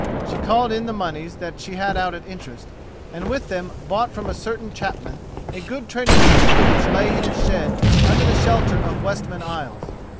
She called in the moneys that she had out at interest, and with them bought from a certain chapman a good trading ship which lay in its shed under the shelter of Westman Isles.